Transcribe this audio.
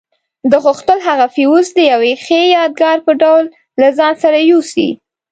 ده غوښتل هغه فیوز د یوې ښې یادګار په ډول له ځان سره یوسي.